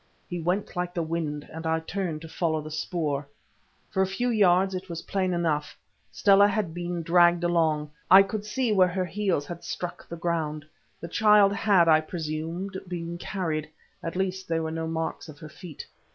He went like the wind, and I turned to follow the spoor. For a few yards it was plain enough—Stella had been dragged along. I could see where her heels had struck the ground; the child had, I presumed, been carried—at least there were no marks of her feet.